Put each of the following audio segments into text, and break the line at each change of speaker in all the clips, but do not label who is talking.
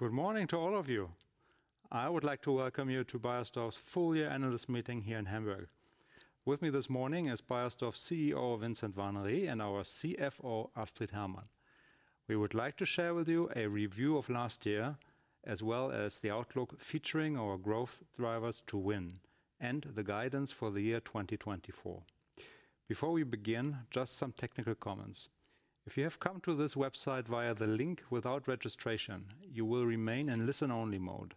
Good morning to all of you. I would like to welcome you to Beiersdorf's full year analyst meeting here in Hamburg. With me this morning is Beiersdorf's CEO, Vincent Warnery, and our CFO, Astrid Hermann. We would like to share with you a review of last year, as well as the outlook featuring our growth drivers to win and the guidance for the year 2024. Before we begin, just some technical comments. If you have come to this website via the link without registration, you will remain in listen-only mode.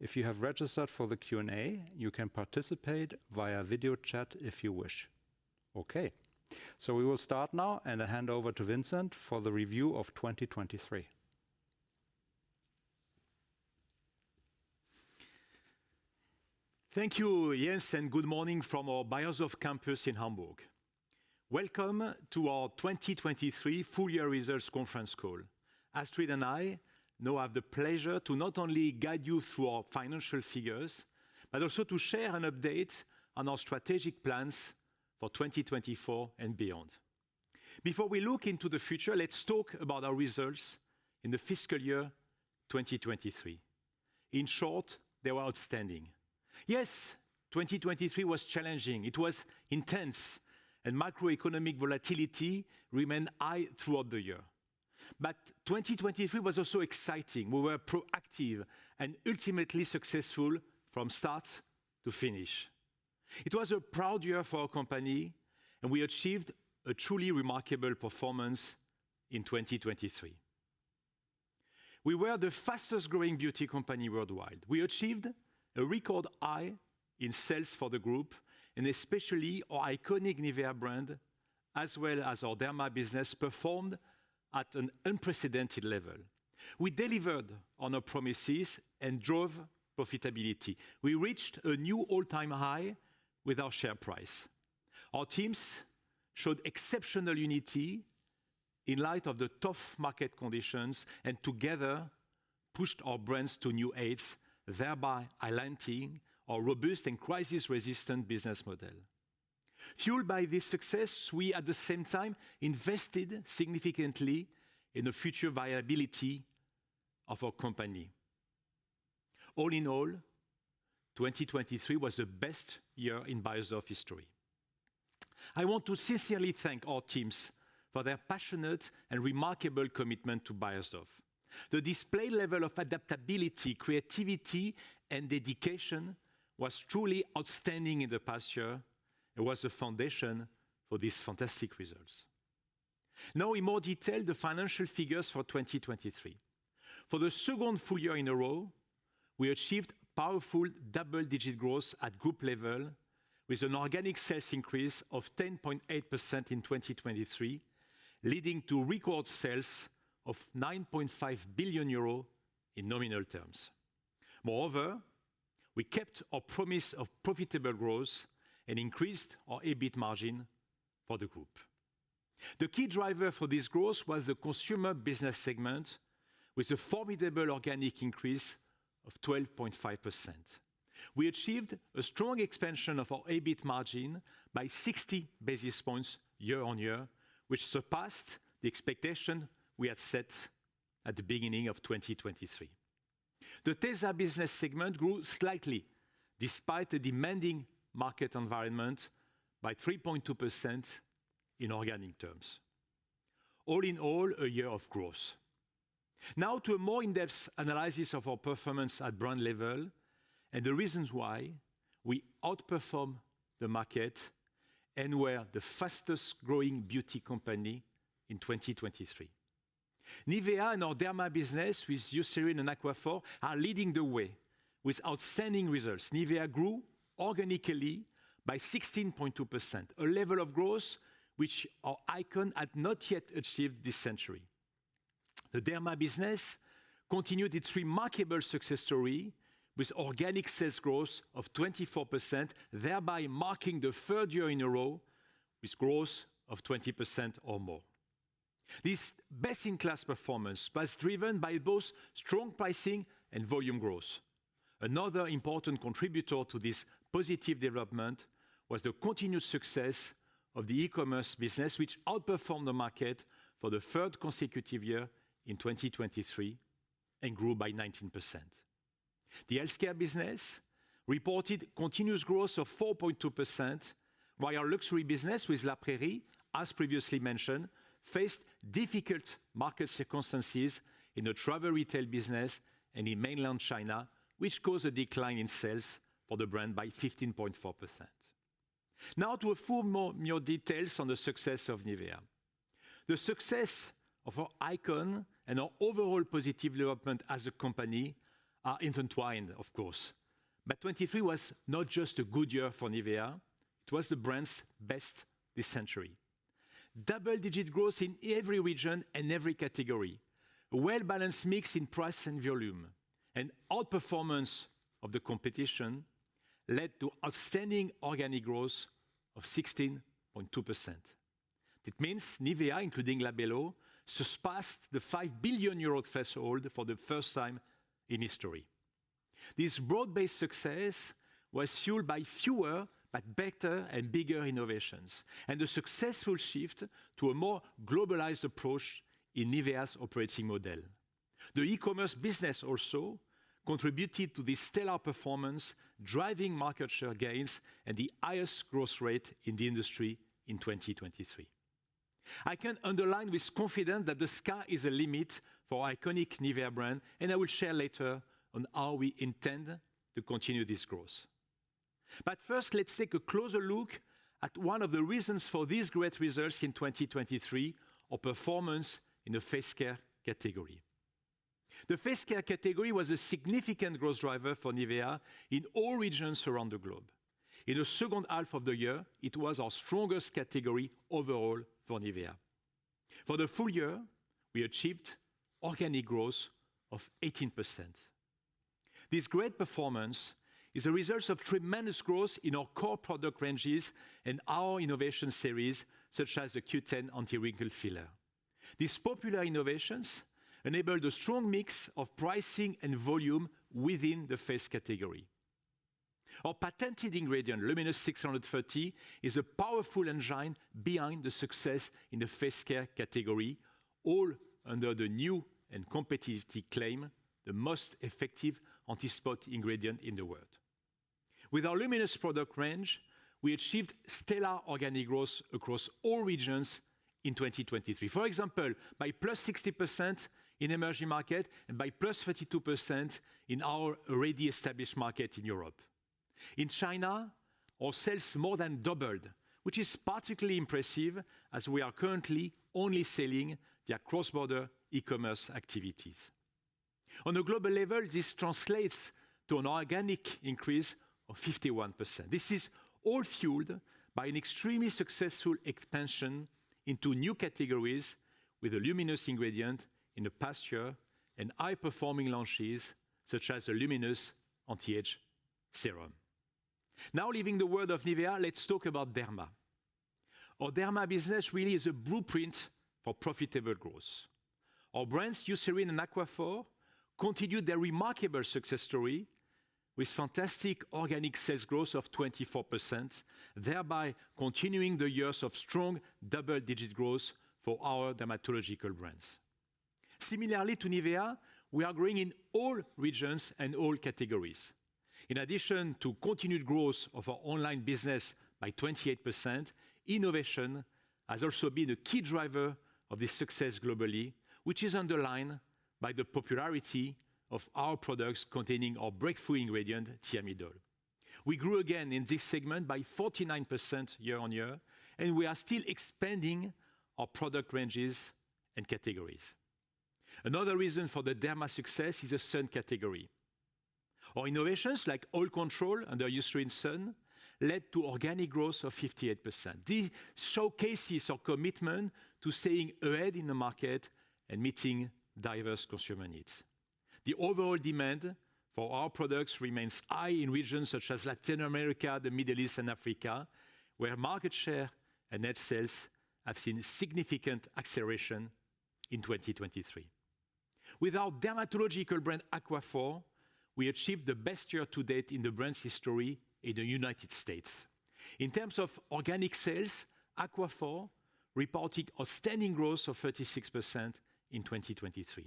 If you have registered for the Q&A, you can participate via video chat if you wish. Okay, so we will start now, and I hand over to Vincent for the review of 2023.
Thank you, Jens, and good morning from our Beiersdorf campus in Hamburg. Welcome to our 2023 full year results conference call. Astrid and I now have the pleasure to not only guide you through our financial figures, but also to share an update on our strategic plans for 2024 and beyond. Before we look into the future, let's talk about our results in the fiscal year 2023. In short, they were outstanding. Yes, 2023 was challenging. It was intense, and macroeconomic volatility remained high throughout the year. But 2023 was also exciting. We were proactive and ultimately successful from start to finish. It was a proud year for our company, and we achieved a truly remarkable performance in 2023. We were the fastest growing beauty company worldwide. We achieved a record high in sales for the group, and especially our iconic NIVEA brand, as well as our Derma business, performed at an unprecedented level. We delivered on our promises and drove profitability. We reached a new all-time high with our share price. Our teams showed exceptional unity in light of the tough market conditions and together pushed our brands to new heights, thereby highlighting our robust and crisis-resistant business model. Fueled by this success, we at the same time invested significantly in the future viability of our company. All in all, 2023 was the best year in Beiersdorf history. I want to sincerely thank our teams for their passionate and remarkable commitment to Beiersdorf. The displayed level of adaptability, creativity, and dedication was truly outstanding in the past year and was the foundation for these fantastic results. Now, in more detail, the financial figures for 2023. For the second full year in a row, we achieved powerful double-digit growth at group level, with an organic sales increase of 10.8% in 2023, leading to record sales of 9.5 billion euro in nominal terms. Moreover, we kept our promise of profitable growth and increased our EBIT margin for the group. The key driver for this growth was the Consumer Business segment, with a formidable organic increase of 12.5%. We achieved a strong expansion of our EBIT margin by 60 basis points year-on-year, which surpassed the expectation we had set at the beginning of 2023. The tesa Business Segment grew slightly, despite the demanding market environment, by 3.2% in organic terms. All in all, a year of growth. Now to a more in-depth analysis of our performance at brand level and the reasons why we outperformed the market and were the fastest growing beauty company in 2023. NIVEA and our Derma business with Eucerin and Aquaphor are leading the way with outstanding results. NIVEA grew organically by 16.2%, a level of growth which our icon had not yet achieved this century. The Derma business continued its remarkable success story with organic sales growth of 24%, thereby marking the third year in a row with growth of 20% or more. This best-in-class performance was driven by both strong pricing and volume growth. Another important contributor to this positive development was the continued success of the e-commerce business, which outperformed the market for the third consecutive year in 2023 and grew by 19%. The healthcare business reported continuous growth of 4.2%, while our luxury business with La Prairie, as previously mentioned, faced difficult market circumstances in the travel retail business and in mainland China, which caused a decline in sales for the brand by 15.4%. Now to a few more new details on the success of NIVEA. The success of our icon and our overall positive development as a company are intertwined, of course, but 2023 was not just a good year for NIVEA, it was the brand's best this century. Double-digit growth in every region and every category, a well-balanced mix in price and volume, and outperformance of the competition led to outstanding organic growth of 16.2%. That means NIVEA, including Labello, surpassed the 5 billion euro threshold for the first time in history. This broad-based success was fueled by fewer but better and bigger innovations, and a successful shift to a more globalized approach in NIVEA's operating model. The e-commerce business also contributed to this stellar performance, driving market share gains and the highest growth rate in the industry in 2023. I can underline with confidence that the sky is the limit for our iconic NIVEA brand, and I will share later on how we intend to continue this growth. But first, let's take a closer look at one of the reasons for these great results in 2023, our performance in the face care category. The face care category was a significant growth driver for NIVEA in all regions around the globe. In the second half of the year, it was our strongest category overall for NIVEA. For the full year, we achieved organic growth of 18%. This great performance is a result of tremendous growth in our core product ranges and our innovation series, such as the Q10 Anti-Wrinkle Filler. These popular innovations enabled a strong mix of pricing and volume within the face category. Our patented ingredient, Luminous630, is a powerful engine behind the success in the face care category, all under the new and competitive claim, "The most effective anti-spot ingredient in the world." With our Luminous product range, we achieved stellar organic growth across all regions in 2023. For example, by +60% in emerging market and by +32% in our already established market in Europe. In China, our sales more than doubled, which is particularly impressive as we are currently only selling via cross-border e-commerce activities. On a global level, this translates to an organic increase of 51%. This is all fueled by an extremely successful expansion into new categories with a Luminous ingredient in the past year, and high-performing launches, such as the Luminous Anti-Age Serum. Now, leaving the world of NIVEA, let's talk about Derma. Our Derma business really is a blueprint for profitable growth. Our brands, Eucerin and Aquaphor, continued their remarkable success story with fantastic organic sales growth of 24%, thereby continuing the years of strong double-digit growth for our dermatological brands. Similarly to NIVEA, we are growing in all regions and all categories. In addition to continued growth of our online business by 28%, innovation has also been a key driver of this success globally, which is underlined by the popularity of our products containing our breakthrough ingredient, Thiamidol. We grew again in this segment by 49% year-on-year, and we are still expanding our product ranges and categories. Another reason for the Derma success is the sun category. Our innovations, like Oil Control under Eucerin Sun, led to organic growth of 58%. This showcases our commitment to staying ahead in the market and meeting diverse consumer needs. The overall demand for our products remains high in regions such as Latin America, the Middle East, and Africa, where market share and net sales have seen significant acceleration in 2023. With our dermatological brand, Aquaphor, we achieved the best year to date in the brand's history in the United States. In terms of organic sales, Aquaphor reported outstanding growth of 36% in 2023.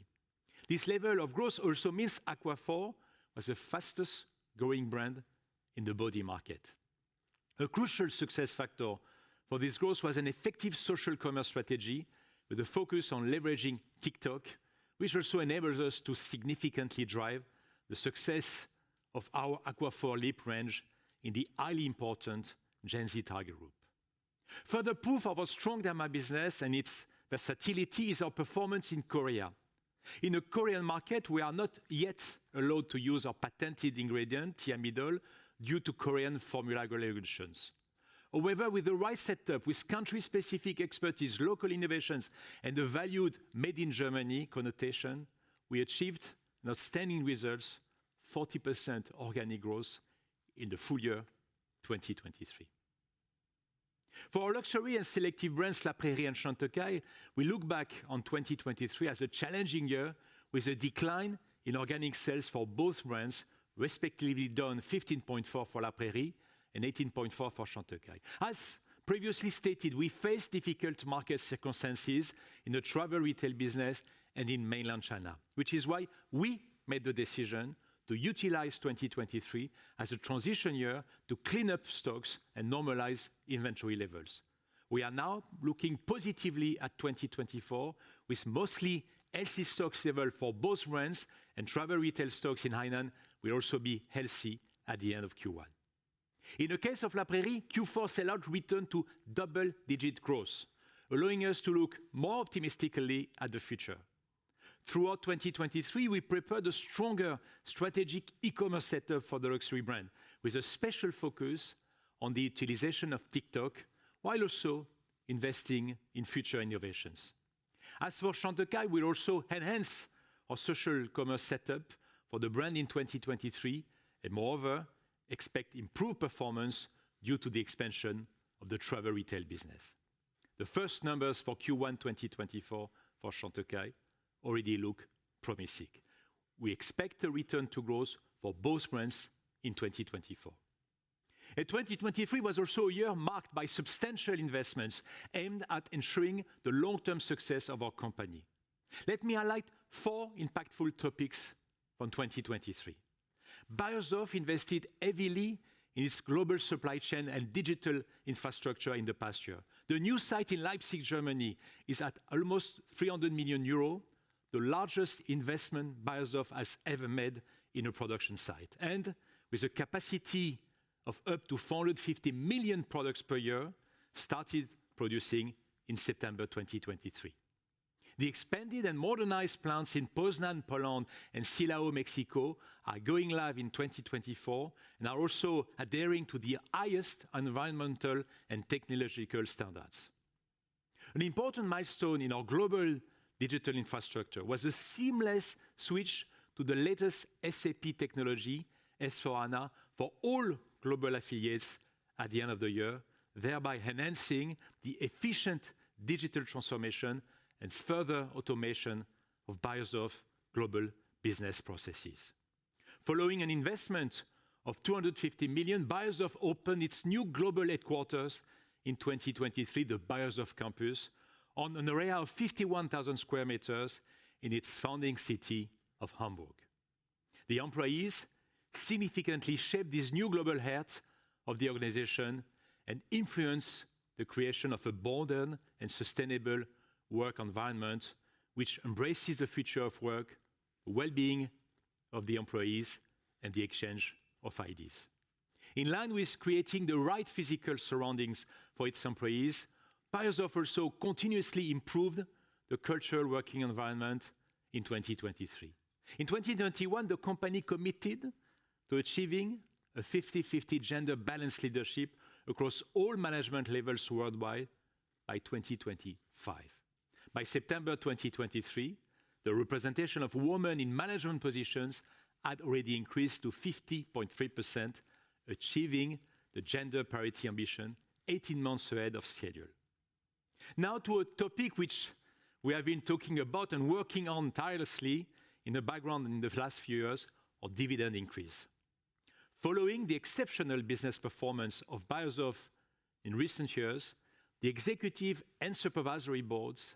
This level of growth also means Aquaphor was the fastest-growing brand in the body market. A crucial success factor for this growth was an effective social commerce strategy with a focus on leveraging TikTok, which also enables us to significantly drive the success of our Aquaphor lip range in the highly important Gen Z target group. Further proof of our strong Derma business and its versatility is our performance in Korea. In the Korean market, we are not yet allowed to use our patented ingredient, Thiamidol, due to Korean formula regulations. However, with the right setup, with country-specific expertise, local innovations, and the valued made in Germany connotation, we achieved outstanding results, 40% organic growth in the full year 2023. For our luxury and selective brands, La Prairie and Chantecaille, we look back on 2023 as a challenging year with a decline in organic sales for both brands, respectively down 15.4% for La Prairie and 18.4% for Chantecaille. As previously stated, we faced difficult market circumstances in the travel retail business and in mainland China, which is why we made the decision to utilize 2023 as a transition year to clean up stocks and normalize inventory levels. We are now looking positively at 2024, with mostly healthy stock level for both brands, and travel retail stocks in Hainan will also be healthy at the end of Q1. In the case of La Prairie, Q4 sell-out returned to double-digit growth, allowing us to look more optimistically at the future. Throughout 2023, we prepared a stronger strategic e-commerce setup for the luxury brand, with a special focus on the utilization of TikTok, while also investing in future innovations. As for Chantecaille, we'll also enhance our social commerce setup for the brand in 2023, and moreover, expect improved performance due to the expansion of the travel retail business. The first numbers for Q1 2024 for Chantecaille already look promising. We expect a return to growth for both brands in 2024. 2023 was also a year marked by substantial investments aimed at ensuring the long-term success of our company. Let me highlight four impactful topics from 2023. Beiersdorf invested heavily in its global supply chain and digital infrastructure in the past year. The new site in Leipzig, Germany, is at almost 300 million euro, the largest investment Beiersdorf has ever made in a production site, and with a capacity of up to 450 million products per year, started producing in September 2023. The expanded and modernized plants in Poznań, Poland, and Silao, Mexico, are going live in 2024 and are also adhering to the highest environmental and technological standards. An important milestone in our global digital infrastructure was a seamless switch to the latest SAP technology, S/4HANA, for all global affiliates at the end of the year, thereby enhancing the efficient digital transformation and further automation of Beiersdorf global business processes. Following an investment of 250 million, Beiersdorf opened its new global headquarters in 2023, the Beiersdorf Campus, on an array of 51,000 square meters in its founding city of Hamburg. The employees significantly shaped this new global heart of the organization and influenced the creation of a modern and sustainable work environment, which embraces the future of work, wellbeing of the employees, and the exchange of ideas. In line with creating the right physical surroundings for its employees, Beiersdorf also continuously improved the cultural working environment in 2023. In 2021, the company committed to achieving a 50/50 gender balance leadership across all management levels worldwide by 2025. By September 2023, the representation of women in management positions had already increased to 50.3%, achieving the gender parity ambition 18 months ahead of schedule. Now to a topic which we have been talking about and working on tirelessly in the background in the last few years, our dividend increase. Following the exceptional business performance of Beiersdorf in recent years, the executive and supervisory boards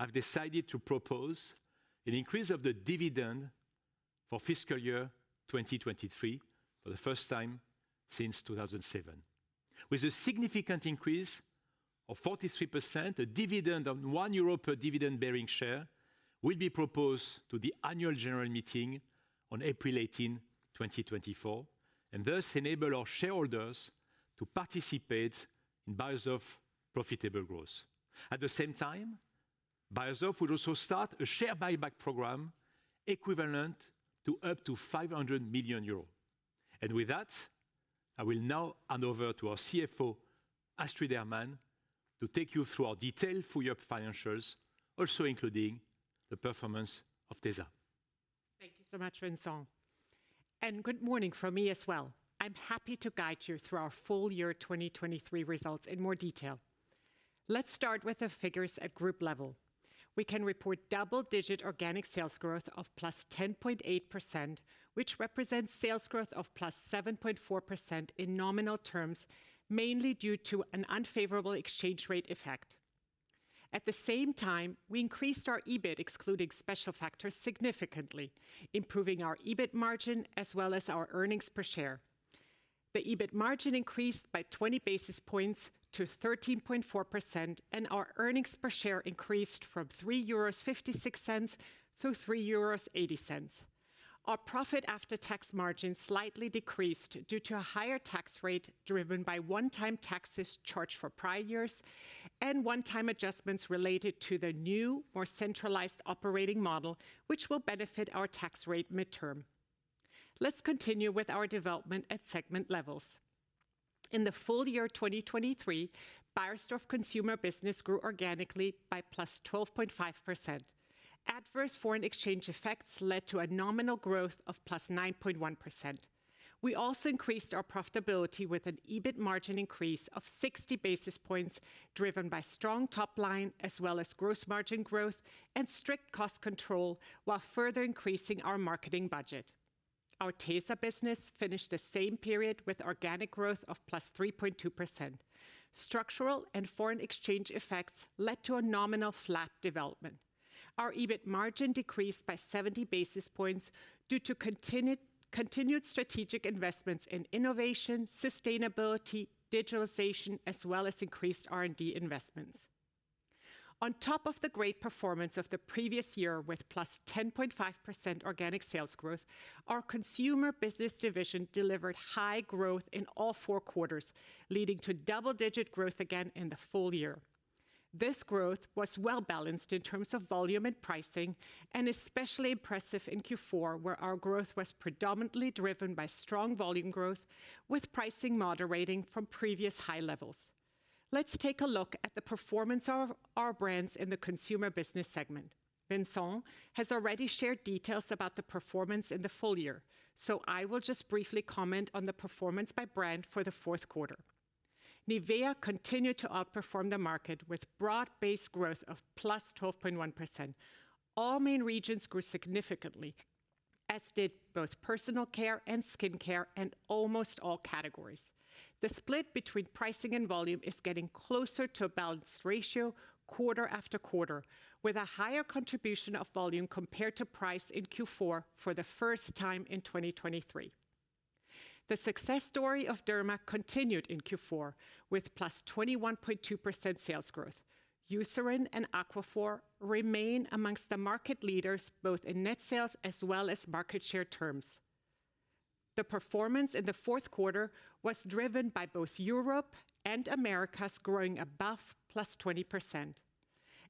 have decided to propose an increase of the dividend for fiscal year 2023, for the first time since 2007. With a significant increase of 43%, a dividend of 1 euro per dividend-bearing share will be proposed to the annual general meeting on April 18, 2024, and thus enable our shareholders to participate in Beiersdorf's profitable growth. At the same time, Beiersdorf will also start a share buyback program equivalent to up to 500 million euros. With that, I will now hand over to our CFO, Astrid Hermann, to take you through our detailed full year financials, also including the performance of tesa.
Thank you so much, Vincent, and good morning from me as well. I'm happy to guide you through our full year 2023 results in more detail. Let's start with the figures at group level. We can report double-digit organic sales growth of +10.8%, which represents sales growth of +7.4% in nominal terms, mainly due to an unfavorable exchange rate effect. At the same time, we increased our EBIT, excluding special factors, significantly, improving our EBIT margin as well as our earnings per share. The EBIT margin increased by 20 basis points to 13.4%, and our earnings per share increased from 3.56-3.80 euros. Our profit after tax margin slightly decreased due to a higher tax rate, driven by one-time taxes charged for prior years and one-time adjustments related to the new, more centralized operating model, which will benefit our tax rate midterm. Let's continue with our development at segment levels. In the full year 2023, Beiersdorf Consumer Business grew organically by +12.5%. Adverse foreign exchange effects led to a nominal growth of +9.1%. We also increased our profitability with an EBIT margin increase of 60 basis points, driven by strong top line, as well as gross margin growth and strict cost control, while further increasing our marketing budget. Our tesa Business finished the same period with organic growth of +3.2%. Structural and foreign exchange effects led to a nominal flat development. Our EBIT margin decreased by 70 basis points due to continued strategic investments in innovation, sustainability, digitalization, as well as increased R&D investments. On top of the great performance of the previous year, with +10.5% organic sales growth, our Consumer Business division delivered high growth in all four quarters, leading to double-digit growth again in the full year. This growth was well-balanced in terms of volume and pricing, and especially impressive in Q4, where our growth was predominantly driven by strong volume growth, with pricing moderating from previous high levels. Let's take a look at the performance of our brands in the Consumer Business segment. Vincent has already shared details about the performance in the full year, so I will just briefly comment on the performance by brand for the fourth quarter. NIVEA continued to outperform the market with broad-based growth of +12.1%. All main regions grew significantly, as did both personal care and skin care, and almost all categories. The split between pricing and volume is getting closer to a balanced ratio quarter after quarter, with a higher contribution of volume compared to price in Q4 for the first time in 2023. The success story of Derma continued in Q4, with +21.2% sales growth. Eucerin and Aquaphor remain among the market leaders, both in net sales as well as market share terms. The performance in the fourth quarter was driven by both Europe and Americas, growing above +20%.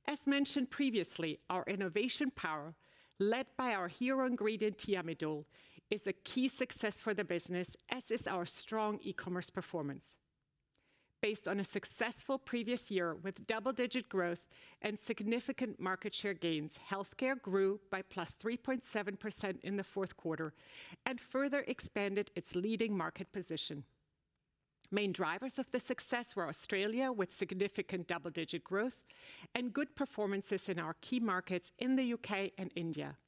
As mentioned previously, our innovation power, led by our hero ingredient, Thiamidol, is a key success for the business, as is our strong e-commerce performance. Based on a successful previous year with double-digit growth and significant market share gains, Healthcare grew by +3.7% in the fourth quarter and further expanded its leading market position. Main drivers of the success were Australia, with significant double-digit growth and good performances in our key markets in the U.K. and India.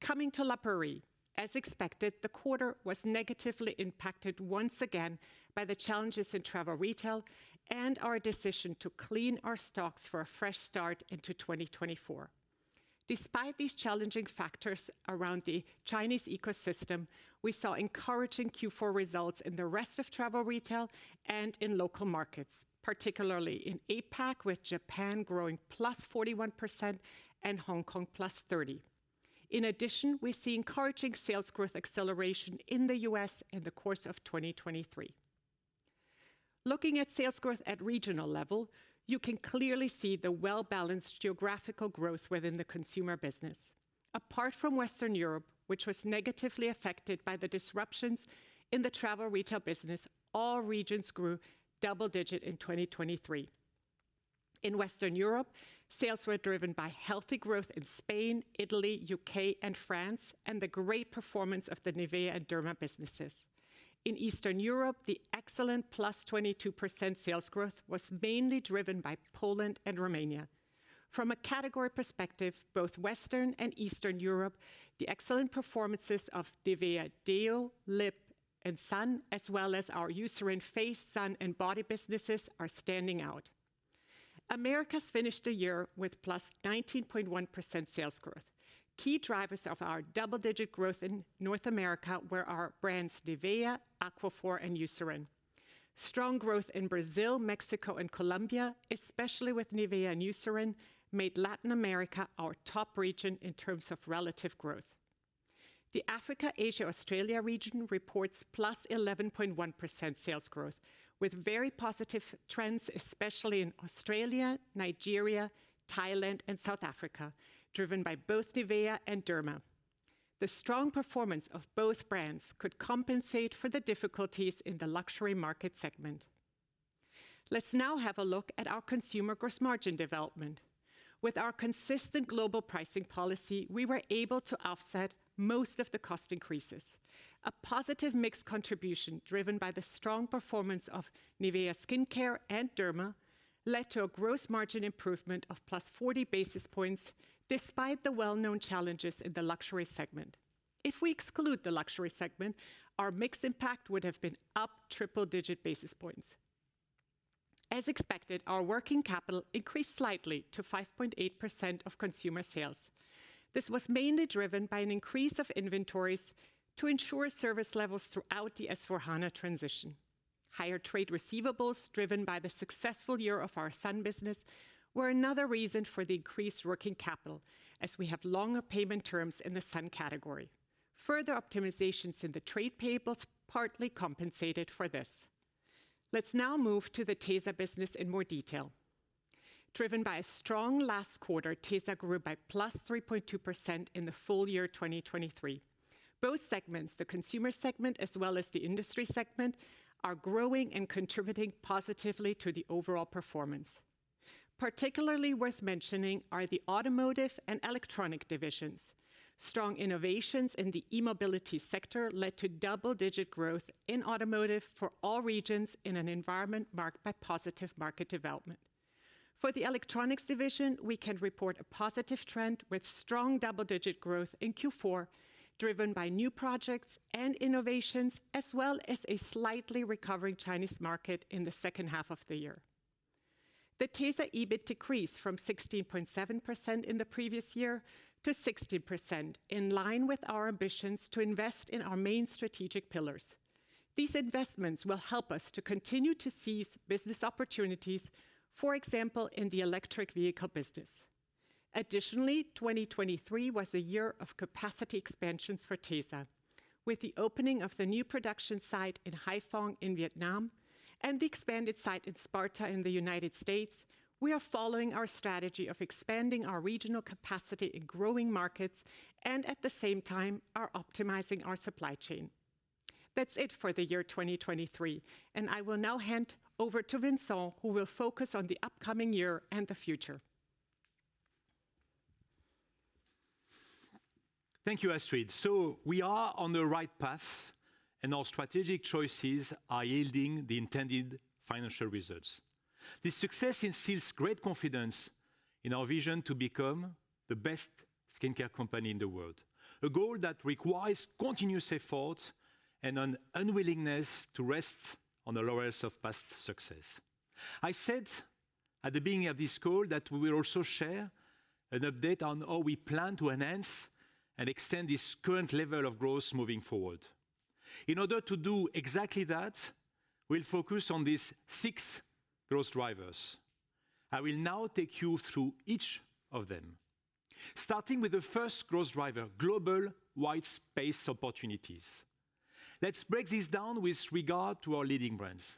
Coming to La Prairie, as expected, the quarter was negatively impacted once again by the challenges in travel retail and our decision to clean our stocks for a fresh start into 2024. Despite these challenging factors around the Chinese ecosystem, we saw encouraging Q4 results in the rest of travel retail and in local markets, particularly in APAC, with Japan growing +41% and Hong Kong +30%. In addition, we see encouraging sales growth acceleration in the U.S. in the course of 2023. Looking at sales growth at regional level, you can clearly see the well-balanced geographical growth within the Consumer Business. Apart from Western Europe, which was negatively affected by the disruptions in the travel retail business, all regions grew double-digit in 2023. In Western Europe, sales were driven by healthy growth in Spain, Italy, U.K., and France, and the great performance of the NIVEA and Derma businesses. In Eastern Europe, the excellent +22% sales growth was mainly driven by Poland and Romania. From a category perspective, both Western and Eastern Europe, the excellent performances of NIVEA Deo, Lip, and Sun, as well as our Eucerin face, sun, and body businesses, are standing out. Americas finished the year with +19.1% sales growth. Key drivers of our double-digit growth in North America were our brands NIVEA, Aquaphor, and Eucerin. Strong growth in Brazil, Mexico, and Colombia, especially with NIVEA and Eucerin, made Latin America our top region in terms of relative growth. The Africa-Asia-Australia region reports +11.1% sales growth, with very positive trends, especially in Australia, Nigeria, Thailand, and South Africa, driven by both NIVEA and Derma. The strong performance of both brands could compensate for the difficulties in the luxury market segment. Let's now have a look at our consumer gross margin development. With our consistent global pricing policy, we were able to offset most of the cost increases. A positive mix contribution, driven by the strong performance of NIVEA Skin Care and Derma, led to a gross margin improvement of +40 basis points, despite the well-known challenges in the luxury segment. If we exclude the luxury segment, our mix impact would have been up triple-digit basis points. As expected, our working capital increased slightly to 5.8% of consumer sales. This was mainly driven by an increase of inventories to ensure service levels throughout the S/4HANA transition. Higher trade receivables, driven by the successful year of our sun business, were another reason for the increased working capital, as we have longer payment terms in the sun category. Further optimizations in the trade payables partly compensated for this. Let's now move to the tesa Business in more detail. Driven by a strong last quarter, tesa grew by +3.2% in the full year 2023. Both segments, the Consumer Segment as well as the Industry Segment, are growing and contributing positively to the overall performance. Particularly worth mentioning are the automotive and electronic divisions. Strong innovations in the e-mobility sector led to double-digit growth in automotive for all regions in an environment marked by positive market development. For the electronics division, we can report a positive trend with strong double-digit growth in Q4, driven by new projects and innovations, as well as a slightly recovering Chinese market in the second half of the year. The tesa EBIT decreased from 16.7% in the previous year to 16%, in line with our ambitions to invest in our main strategic pillars. These investments will help us to continue to seize business opportunities, for example, in the electric vehicle business. Additionally, 2023 was a year of capacity expansions for tesa. With the opening of the new production site in Haiphong, in Vietnam, and the expanded site in Sparta, in the United States, we are following our strategy of expanding our regional capacity in growing markets and at the same time are optimizing our supply chain. That's it for the year 2023, and I will now hand over to Vincent, who will focus on the upcoming year and the future.
Thank you, Astrid. So we are on the right path, and our strategic choices are yielding the intended financial results. This success instills great confidence in our vision to become the best skincare company in the world, a goal that requires continuous effort and an unwillingness to rest on the laurels of past success. I said at the beginning of this call that we will also share an update on how we plan to enhance and extend this current level of growth moving forward. In order to do exactly that, we'll focus on these six growth drivers. I will now take you through each of them, starting with the first growth driver, global white space opportunities. Let's break this down with regard to our leading brands.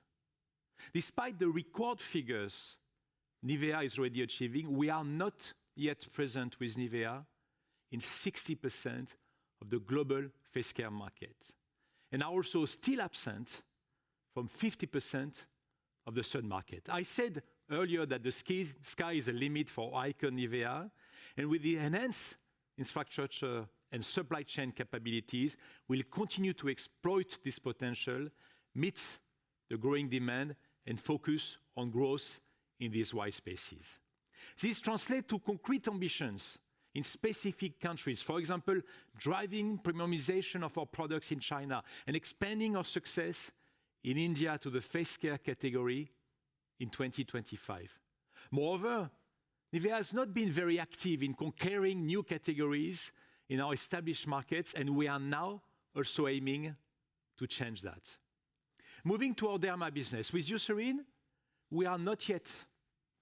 Despite the record figures NIVEA is already achieving, we are not yet present with NIVEA in 60% of the global face care market, and are also still absent from 50% of the sun market. I said earlier that the sky is the limit for iconic NIVEA, and with the enhanced infrastructure and supply chain capabilities, we'll continue to exploit this potential, meet the growing demand, and focus on growth in these white spaces. This translate to concrete ambitions in specific countries. For example, driving premiumization of our products in China and expanding our success in India to the face care category in 2025. Moreover, NIVEA has not been very active in conquering new categories in our established markets, and we are now also aiming to change that. Moving to our Derma business. With Eucerin, we are not yet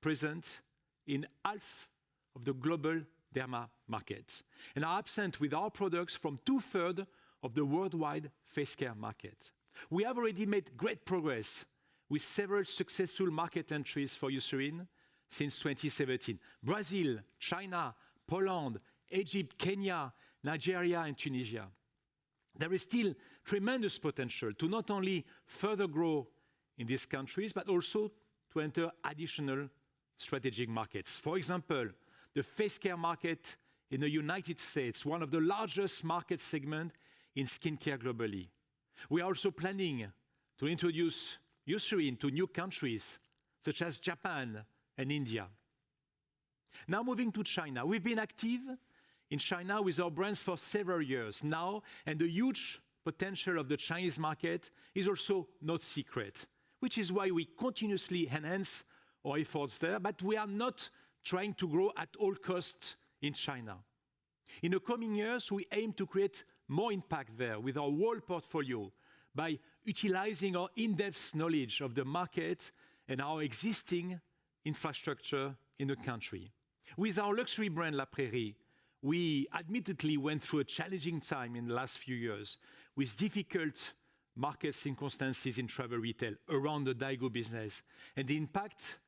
present in half of the global derma market and are absent with our products from two-thirds of the worldwide face care market. We have already made great progress with several successful market entries for Eucerin since 2017: Brazil, China, Poland, Egypt, Kenya, Nigeria, and Tunisia. There is still tremendous potential to not only further grow in these countries, but also to enter additional strategic markets. For example, the face care market in the United States, one of the largest market segments in skincare globally. We are also planning to introduce Eucerin to new countries such as Japan and India. Now, moving to China. We've been active in China with our brands for several years now, and the huge potential of the Chinese market is also no secret, which is why we continuously enhance our efforts there, but we are not trying to grow at all costs in China. In the coming years, we aim to create more impact there with our whole portfolio by utilizing our in-depth knowledge of the market and our existing infrastructure in the country. With our luxury brand, La Prairie, we admittedly went through a challenging time in the last few years with difficult market circumstances in travel retail around the Daigou business and the impact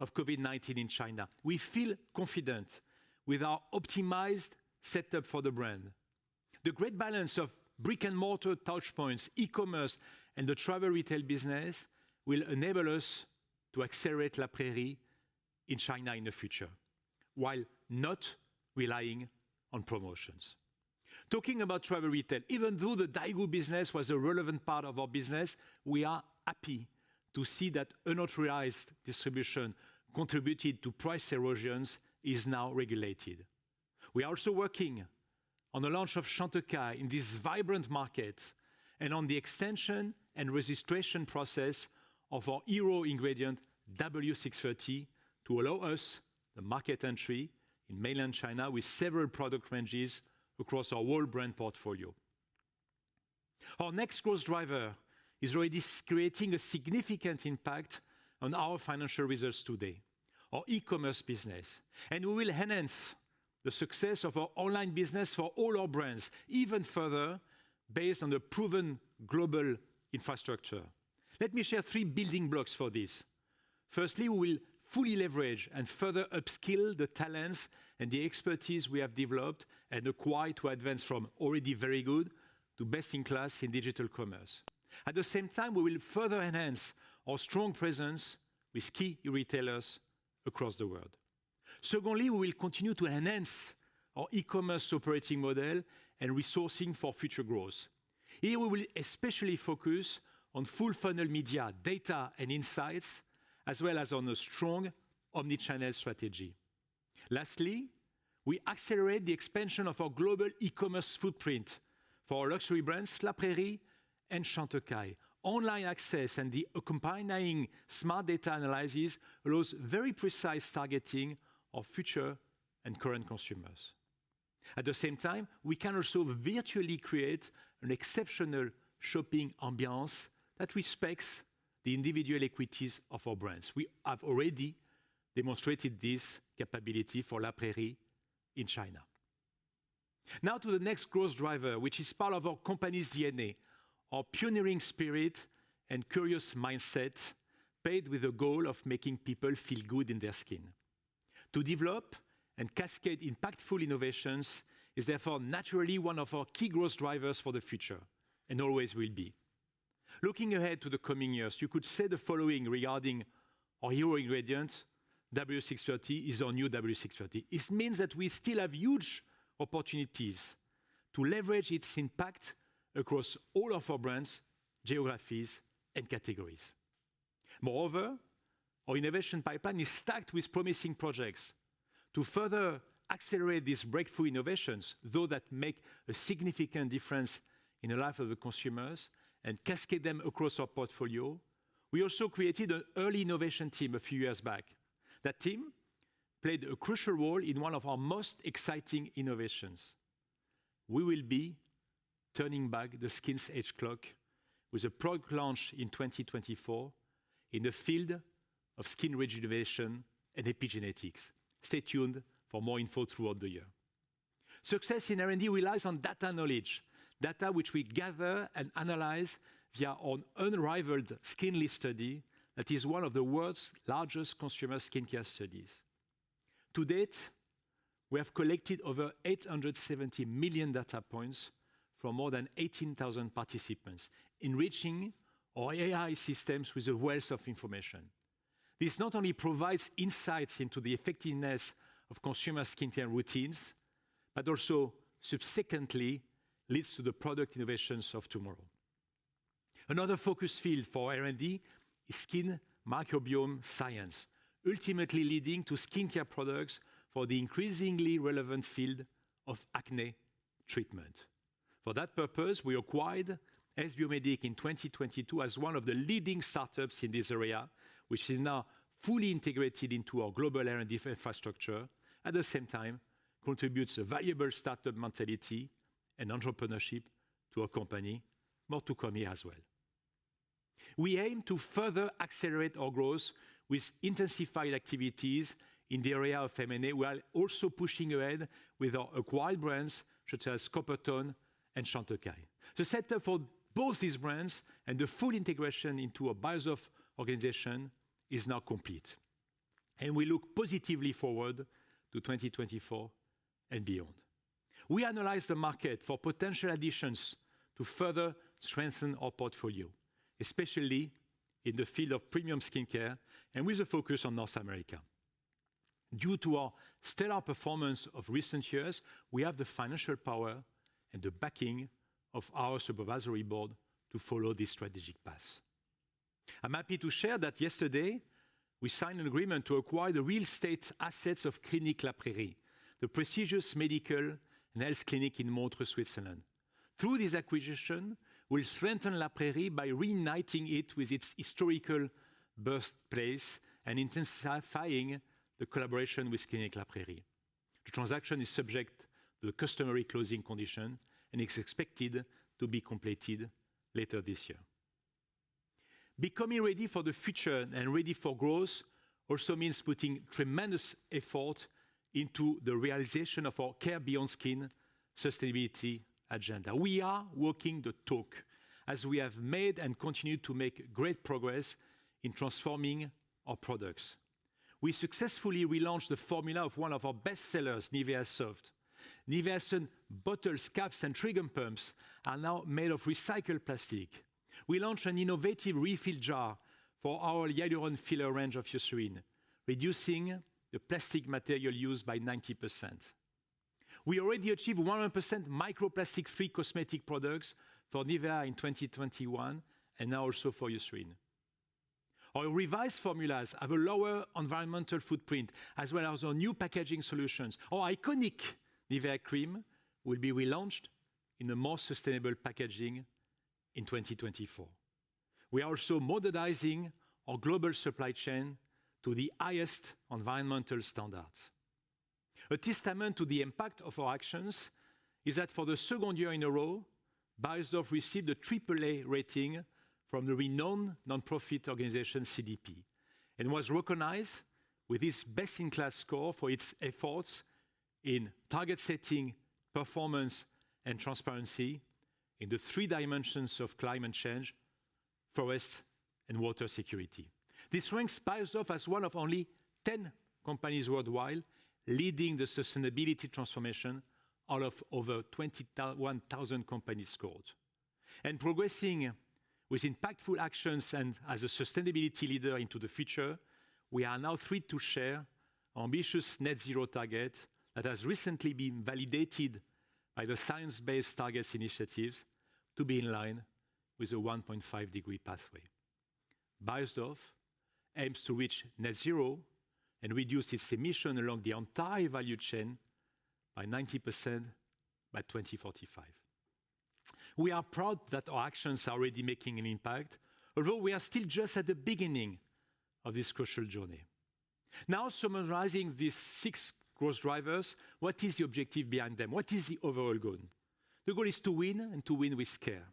of COVID-19 in China. We feel confident with our optimized setup for the brand. The great balance of brick-and-mortar touchpoints, e-commerce, and the travel retail business will enable us to accelerate La Prairie in China in the future, while not relying on promotions. Talking about travel retail, even though the Daigou business was a relevant part of our business, we are happy to see that unauthorized distribution contributed to price erosions is now regulated. We are also working on the launch of Chantecaille in this vibrant market and on the extension and registration process of our hero ingredient, W630, to allow us the market entry in mainland China with several product ranges across our whole brand portfolio. Our next growth driver is already creating a significant impact on our financial results today, our e-commerce business, and we will enhance the success of our online business for all our brands even further based on the proven global infrastructure. Let me share three building blocks for this. Firstly, we will fully leverage and further upskill the talents and the expertise we have developed and acquire to advance from already very good to best-in-class in digital commerce. At the same time, we will further enhance our strong presence with key retailers across the world. Secondly, we will continue to enhance our e-commerce operating model and resourcing for future growth. Here, we will especially focus on full-funnel media, data, and insights, as well as on a strong omni-channel strategy. Lastly, we accelerate the expansion of our global e-commerce footprint for our luxury brands, La Prairie and Chantecaille. Online access and the accompanying smart data analysis allows very precise targeting of future and current consumers. At the same time, we can also virtually create an exceptional shopping ambiance that respects the individual equities of our brands. We have already demonstrated this capability for La Prairie in China. Now to the next growth driver, which is part of our company's DNA, our pioneering spirit and curious mindset, paired with the goal of making people feel good in their skin. To develop and cascade impactful innovations is therefore naturally one of our key growth drivers for the future, and always will be.... Looking ahead to the coming years, you could say the following regarding our hero ingredient, W630 is our new W630. This means that we still have huge opportunities to leverage its impact across all of our brands, geographies, and categories. Moreover, our innovation pipeline is stacked with promising projects to further accelerate these breakthrough innovations, those that make a significant difference in the life of the consumers and cascade them across our portfolio. We also created an early innovation team a few years back. That team played a crucial role in one of our most exciting innovations. We will be turning back the skin's age clock with a product launch in 2024 in the field of skin rejuvenation and epigenetics. Stay tuned for more info throughout the year. Success in R&D relies on data knowledge, data which we gather and analyze via our unrivaled SKINLY study that is one of the world's largest consumer skincare studies. To date, we have collected over 870 million data points from more than 18,000 participants, enriching our AI systems with a wealth of information. This not only provides insights into the effectiveness of consumer skincare routines, but also subsequently leads to the product innovations of tomorrow. Another focus field for R&D is skin microbiome science, ultimately leading to skincare products for the increasingly relevant field of acne treatment. For that purpose, we acquired S-Biomedic in 2022 as one of the leading startups in this area, which is now fully integrated into our global R&D infrastructure, at the same time, contributes a valuable startup mentality and entrepreneurship to our company. More to come here as well. We aim to further accelerate our growth with intensified activities in the area of M&A, while also pushing ahead with our acquired brands such as Coppertone and Chantecaille. The setup for both these brands and the full integration into a Beiersdorf organization is now complete, and we look positively forward to 2024 and beyond. We analyze the market for potential additions to further strengthen our portfolio, especially in the field of premium skincare and with a focus on North America. Due to our stellar performance of recent years, we have the financial power and the backing of our supervisory board to follow this strategic path. I'm happy to share that yesterday, we signed an agreement to acquire the real estate assets of Clinique La Prairie, the prestigious medical and health clinic in Montreux, Switzerland. Through this acquisition, we'll strengthen La Prairie by reuniting it with its historical birthplace and intensifying the collaboration with Clinique La Prairie. The transaction is subject to the customary closing condition and is expected to be completed later this year. Becoming ready for the future and ready for growth also means putting tremendous effort into the realization of our Care Beyond Skin sustainability agenda. We are walking the talk as we have made and continue to make great progress in transforming our products. We successfully relaunched the formula of one of our best sellers, NIVEA Soft. NIVEA bottles, caps, and trigger pumps are now made of recycled plastic. We launched an innovative refill jar for our Hyaluron Filler range of Eucerin, reducing the plastic material used by 90%. We already achieved 100% microplastic-free cosmetic products for NIVEA in 2021, and now also for Eucerin. Our revised formulas have a lower environmental footprint, as well as our new packaging solutions. Our iconic NIVEA cream will be relaunched in a more sustainable packaging in 2024. We are also modernizing our global supply chain to the highest environmental standards. A testament to the impact of our actions is that for the second year in a row, Beiersdorf received a triple A rating from the renowned nonprofit organization, CDP, and was recognized with this best-in-class score for its efforts in target setting, performance, and transparency in the three dimensions of climate change, forest, and water security. This ranks Beiersdorf as one of only 10 companies worldwide leading the sustainability transformation out of over 1,000 companies scored. Progressing with impactful actions and as a sustainability leader into the future, we are now thrilled to share our ambitious net zero target that has recently been validated by the Science-Based Targets initiative to be in line with a 1.5 degree pathway. Beiersdorf aims to reach net zero and reduce its emission along the entire value chain by 90% by 2045. We are proud that our actions are already making an impact, although we are still just at the beginning of this crucial journey. Now, summarizing these six growth drivers, what is the objective behind them? What is the overall goal? The goal is to win and to win with care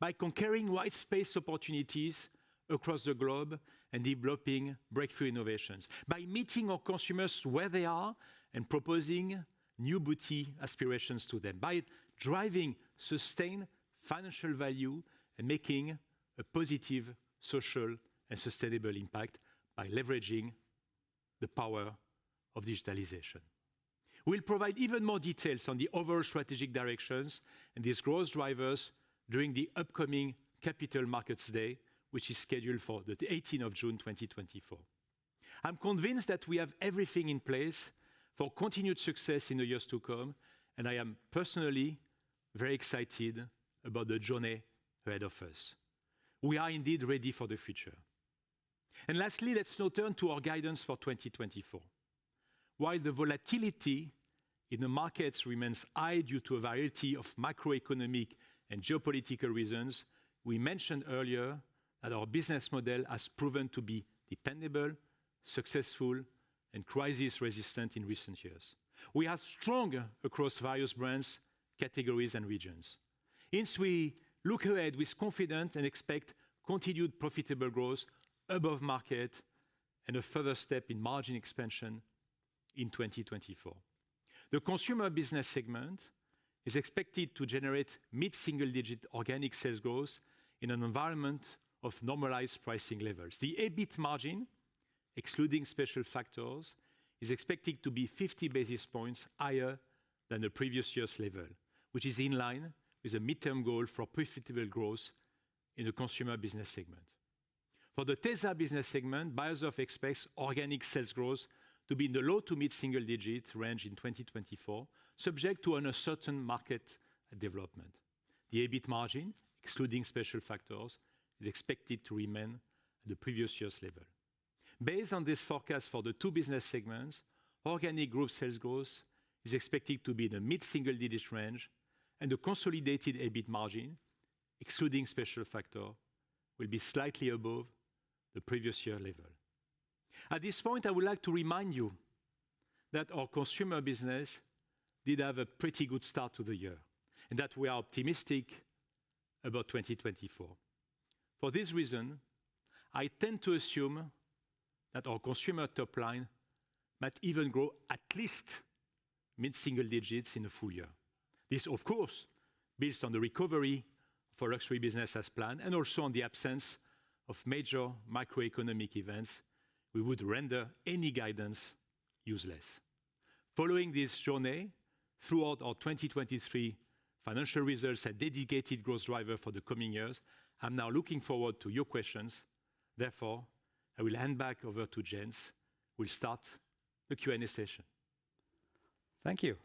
by conquering white space opportunities across the globe and developing breakthrough innovations, by meeting our consumers where they are and proposing new beauty aspirations to them, by driving sustained financial value and making a positive social and sustainable impact by leveraging care, the power of digitalization. We'll provide even more details on the overall strategic directions and these growth drivers during the upcoming Capital Markets Day, which is scheduled for the 18th of June, 2024. I'm convinced that we have everything in place for continued success in the years to come, and I am personally very excited about the journey ahead of us. We are indeed ready for the future. Lastly, let's now turn to our guidance for 2024. While the volatility in the markets remains high due to a variety of macroeconomic and geopolitical reasons, we mentioned earlier that our business model has proven to be dependable, successful, and crisis-resistant in recent years. We are strong across various brands, categories, and regions. Hence, we look ahead with confidence and expect continued profitable growth above market and a further step in margin expansion in 2024. The Consumer Business segment is expected to generate mid-single-digit organic sales growth in an environment of normalized pricing levels. The EBIT margin, excluding special factors, is expected to be 50 basis points higher than the previous year's level, which is in line with the mid-term goal for profitable growth in the Consumer Business segment. For the tesa Business Segment, Beiersdorf expects organic sales growth to be in the low- to mid-single-digit range in 2024, subject to an uncertain market development. The EBIT margin, excluding special factors, is expected to remain at the previous year's level. Based on this forecast for the two business segments, organic group sales growth is expected to be in the mid-single-digit range, and the consolidated EBIT margin, excluding special factors, will be slightly above the previous year level. At this point, I would like to remind you that our Consumer Business did have a pretty good start to the year, and that we are optimistic about 2024. For this reason, I tend to assume that our consumer top line might even grow at least mid-single digits in the full year. This, of course, builds on the recovery for luxury business as planned, and also on the absence of major macroeconomic events, we would render any guidance useless. Following this journey throughout our 2023 financial results, a dedicated growth driver for the coming years, I'm now looking forward to your questions. Therefore, I will hand back over to Jens, who will start the Q&A session.
Thank you.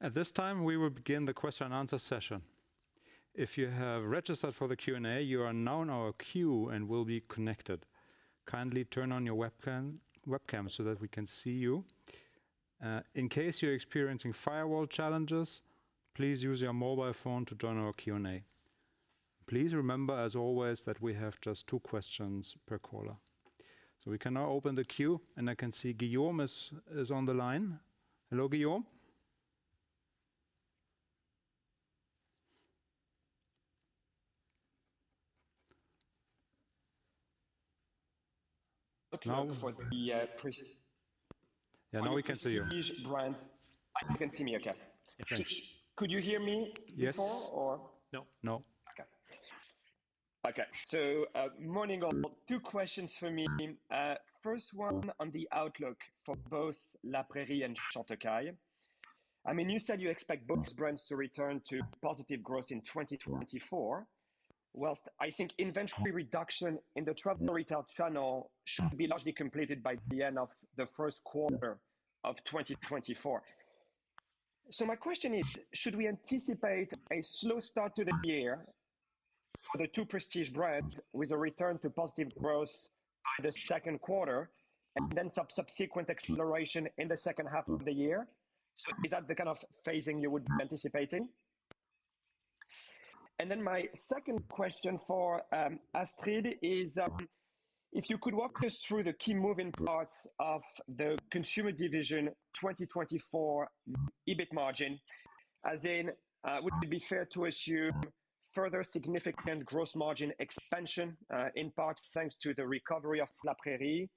At this time, we will begin the question and answer session. If you have registered for the Q&A, you are now in our queue and will be connected. Kindly turn on your webcam, webcam so that we can see you. In case you're experiencing firewall challenges, please use your mobile phone to join our Q&A. Please remember, as always, that we have just two questions per caller. So we can now open the queue, and I can see Guillaume is on the line. Hello, Guillaume.
Logged on for the, pres-
Yeah, now we can see you.
Prestige brands. You can see me okay?
I can.
Could you hear me?
Yes
before or?
No, no.
Okay. Okay, so, morning all. Two questions from me. First one on the outlook for both La Prairie and Chantecaille. I mean, you said you expect both brands to return to positive growth in 2024. While I think inventory reduction in the travel retail channel should be largely completed by the end of the first quarter of 2024. So my question is: Should we anticipate a slow start to the year for the two prestige brands with a return to positive growth by the second quarter and then some subsequent acceleration in the second half of the year? So is that the kind of phasing you would be anticipating? And then my second question for Astrid is, if you could walk us through the key moving parts of the consumer division 2024 EBIT margin, as in, would it be fair to assume further significant gross margin expansion, in part thanks to the recovery of La Prairie,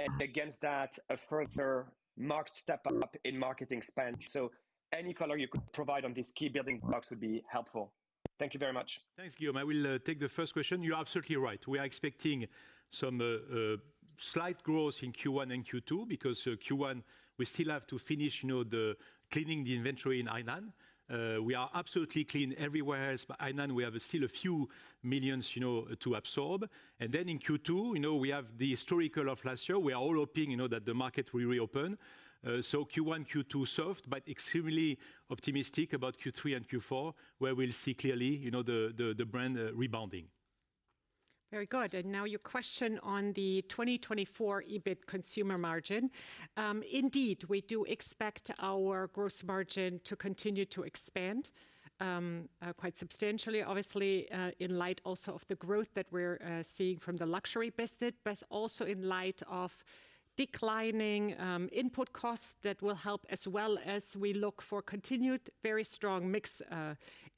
and against that, a further marked step up in marketing spend? So any color you could provide on these key building blocks would be helpful. Thank you very much.
Thanks, Guillaume. I will take the first question. You're absolutely right. We are expecting some slight growth in Q1 and Q2, because Q1, we still have to finish, you know, the cleaning the inventory in Hainan. We are absolutely clean everywhere, but Hainan, we have still a few million EUR, you know, to absorb. And then in Q2, you know, we have the historical of last year. We are all hoping, you know, that the market will reopen. So Q1, Q2, soft, but extremely optimistic about Q3 and Q4, where we'll see clearly, you know, the brand rebounding.
Very good. And now your question on the 2024 EBIT consumer margin. Indeed, we do expect our gross margin to continue to expand, quite substantially, obviously, in light also of the growth that we're seeing from the luxury business, but also in light of declining input costs that will help as well as we look for continued very strong mix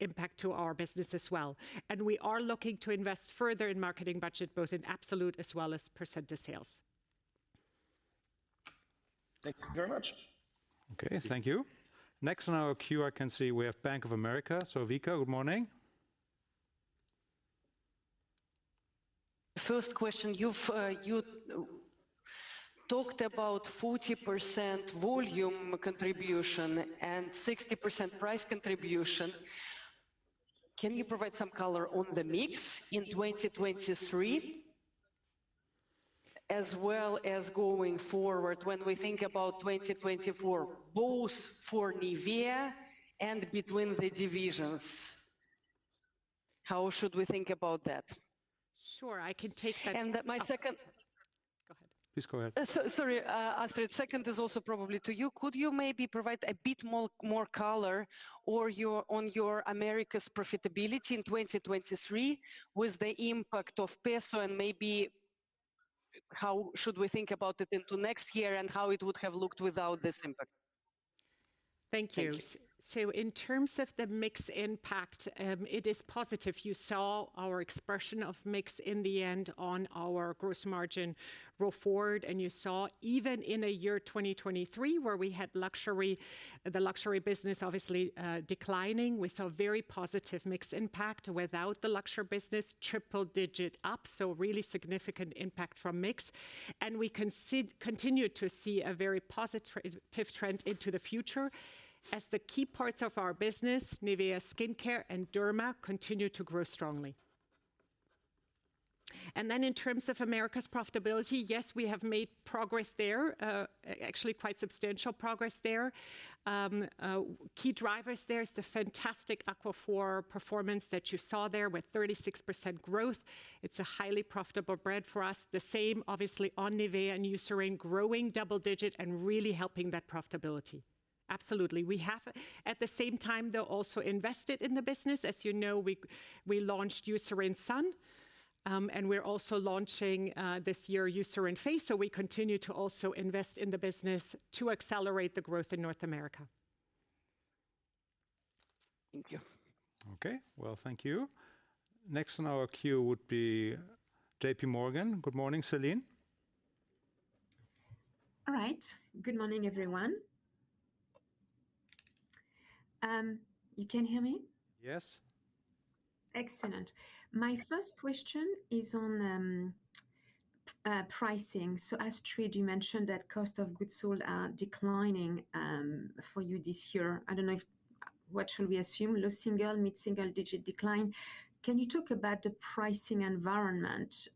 impact to our business as well. And we are looking to invest further in marketing budget, both in absolute as well as % of sales.
Thank you very much.
Okay, thank you. Next on our queue, I can see we have Bank of America. So Vika, good morning.
First question, you've talked about 40% volume contribution and 60% price contribution. Can you provide some color on the mix in 2023? As well as going forward when we think about 2024, both for NIVEA and between the divisions, how should we think about that?
Sure, I can take that-
And my second-
Go ahead.
Please go ahead.
So sorry, Astrid, second is also probably to you. Could you maybe provide a bit more color or your on your Americas profitability in 2023, with the impact of peso, and maybe how should we think about it into next year, and how it would have looked without this impact? Thank you.
Thank you. So in terms of the mix impact, it is positive. You saw our expression of mix in the end on our gross margin roll forward, and you saw even in a year 2023, where we had luxury, the luxury business obviously declining, we saw very positive mix impact. Without the luxury business, triple-digit up, so really significant impact from mix, and we continue to see a very positive trend into the future as the key parts of our business, NIVEA Skin Care and Derma, continue to grow strongly. And then in terms of Americas profitability, yes, we have made progress there, actually quite substantial progress there. Key drivers there is the fantastic Aquaphor performance that you saw there with 36% growth. It's a highly profitable brand for us. The same, obviously, on NIVEA and Eucerin, growing double-digit and really helping that profitability. Absolutely. We have, at the same time, though, also invested in the business. As you know, we, we launched Eucerin Sun, and we're also launching this year Eucerin Face. So we continue to also invest in the business to accelerate the growth in North America.
Thank you.
Okay, well, thank you. Next on our queue would be JPMorgan. Good morning, Celine.
All right. Good morning, everyone. You can hear me?
Yes.
Excellent. My first question is on pricing. So Astrid, you mentioned that cost of goods sold are declining for you this year. I don't know. What should we assume? Low single-digit, mid-single-digit decline. Can you talk about the pricing environment,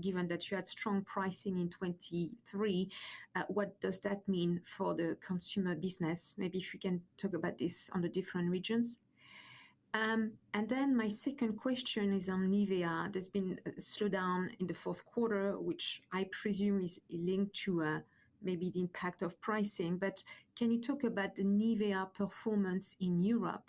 given that you had strong pricing in 2023, what does that mean for the Consumer Business? Maybe if you can talk about this on the different regions. And then my second question is on NIVEA. There's been a slowdown in the fourth quarter, which I presume is linked to maybe the impact of pricing, but can you talk about the NIVEA performance in Europe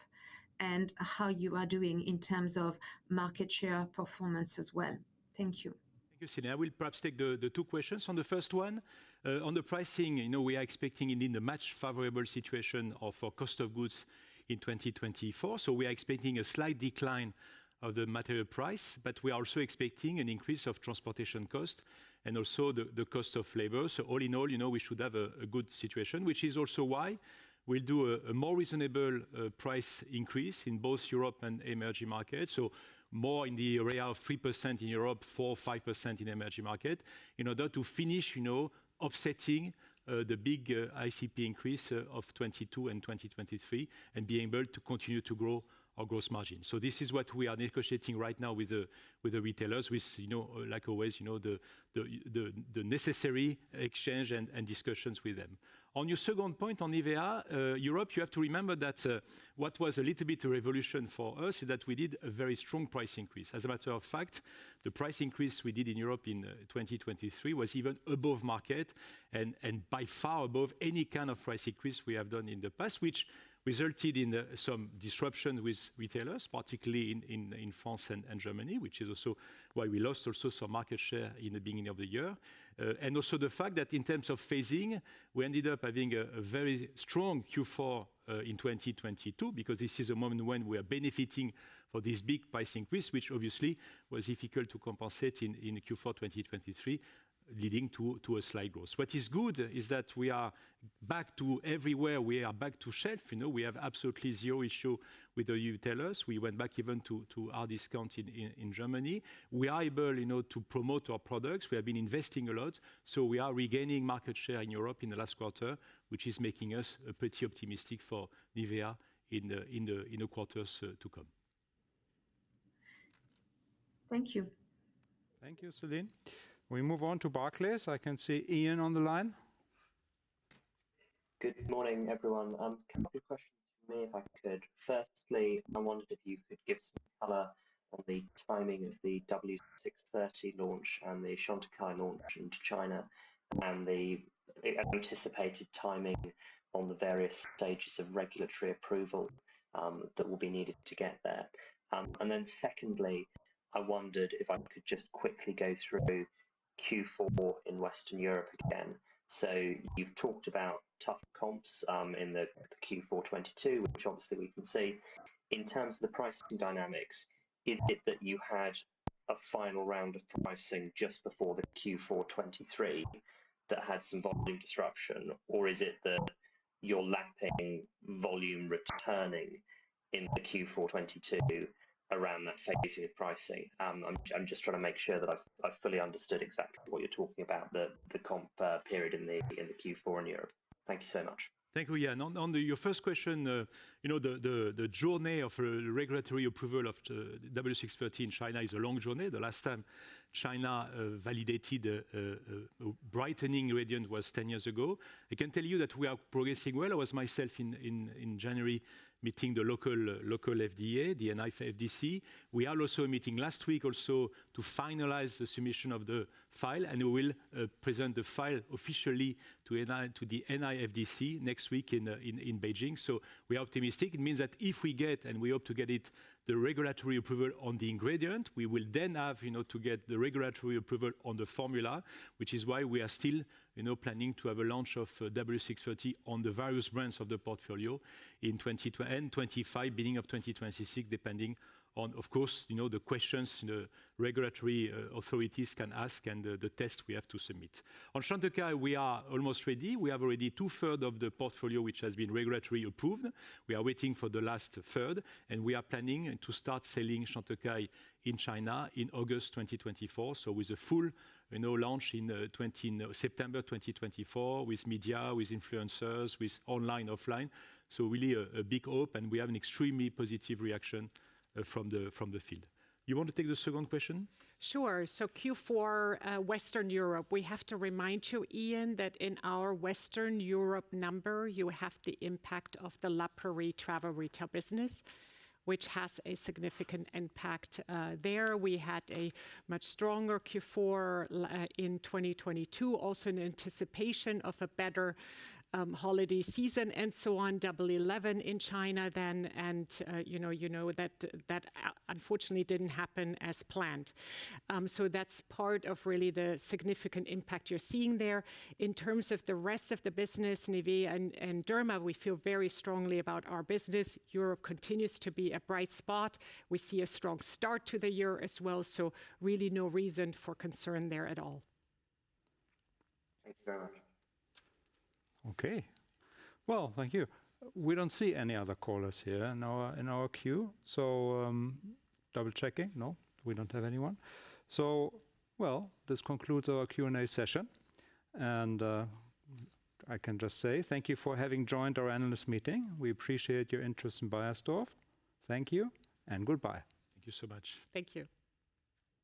and how you are doing in terms of market share performance as well? Thank you.
Thank you, Celine. I will perhaps take the two questions. On the first one, on the pricing, you know, we are expecting indeed a much favorable situation of our cost of goods in 2024. So we are expecting a slight decline of the material price, but we are also expecting an increase of transportation cost and also the cost of labor. So all in all, you know, we should have a good situation, which is also why we'll do a more reasonable price increase in both Europe and emerging markets. So more in the area of 3% in Europe, 4%-5% in emerging market, in order to finish, you know, offsetting the big ICP increase of 2022 and 2023 and being able to continue to grow our gross margin. So this is what we are negotiating right now with the retailers, with, you know, like always, the necessary exchange and discussions with them. On your second point on NIVEA Europe, you have to remember that what was a little bit a revolution for us is that we did a very strong price increase. As a matter of fact, the price increase we did in Europe in 2023 was even above market and by far above any kind of price increase we have done in the past, which resulted in some disruption with retailers, particularly in France and Germany, which is also why we lost also some market share in the beginning of the year. And also the fact that in terms of phasing, we ended up having a very strong Q4 in 2022, because this is a moment when we are benefiting for this big price increase, which obviously was difficult to compensate in Q4 2023, leading to a slight growth. What is good is that we are back to everywhere. We are back to shelf. You know, we have absolutely zero issue with the retailers. We went back even to our discount in Germany. We are able, you know, to promote our products. We have been investing a lot, so we are regaining market share in Europe in the last quarter, which is making us pretty optimistic for NIVEA in the quarters to come.
Thank you.
Thank you, Celine. We move on to Barclays. I can see Iain on the line.
Good morning, everyone. A couple of questions from me, if I could. Firstly, I wondered if you could give some color on the timing of the W630 launch and the Chantecaille launch into China, and the anticipated timing on the various stages of regulatory approval that will be needed to get there. And then secondly, I wondered if I could just quickly go through Q4 in Western Europe again. So you've talked about tough comps in the Q4 2022, which obviously we can see. In terms of the pricing dynamics, is it that you had a final round of pricing just before the Q4 2023 that had some volume disruption, or is it that you're lapping volume returning? In the Q4 2022 around that phase of pricing. I'm just trying to make sure that I've fully understood exactly what you're talking about, the comp period in the Q4 in Europe. Thank you so much.
Thank you, Iain. On your first question, you know, the journey of regulatory approval of the W630 in China is a long journey. The last time China validated a brightening ingredient was ten years ago. I can tell you that we are progressing well. I was myself in January, meeting the local FDA, the NIFDC. We are also meeting last week also to finalize the submission of the file, and we will present the file officially to the NIFDC next week in Beijing. So we are optimistic. It means that if we get, and we hope to get it, the regulatory approval on the ingredient, we will then have, you know, to get the regulatory approval on the formula. Which is why we are still, you know, planning to have a launch of W630 on the various brands of the portfolio in end of 2025, beginning of 2026, depending on, of course, you know, the questions the regulatory authorities can ask and the tests we have to submit. On Chantecaille, we are almost ready. We have already two-thirds of the portfolio, which has been regulatory approved. We are waiting for the last third, and we are planning to start selling Chantecaille in China in August 2024. So with a full, you know, launch in September 2024, with media, with influencers, with online, offline. So really a big hope, and we have an extremely positive reaction from the field. You want to take the second question?
Sure. So Q4, Western Europe, we have to remind you, Iain, that in our Western Europe number, you have the impact of the La Prairie travel retail business, which has a significant impact there. We had a much stronger Q4 in 2022, also in anticipation of a better holiday season and so on, Double Eleven in China then. You know, that unfortunately didn't happen as planned. So that's part of really the significant impact you're seeing there. In terms of the rest of the business, NIVEA and Derma, we feel very strongly about our business. Europe continues to be a bright spot. We see a strong start to the year as well, so really no reason for concern there at all.
Thank you very much.
Okay. Well, thank you. We don't see any other callers here in our, in our queue. So, double-checking. No, we don't have anyone. So, well, this concludes our Q&A session, and, I can just say thank you for having joined our analyst meeting. We appreciate your interest in Beiersdorf. Thank you and goodbye.
Thank you so much.
Thank you.